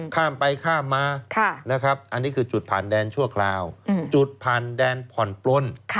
ข้ามไปข้ามมานะครับอันนี้คือจุดผ่านแดนชั่วคราวจุดผ่านแดนผ่อนปล้น